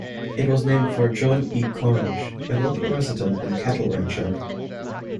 It was named for John E. Cornish, a local resident and cattle rancher.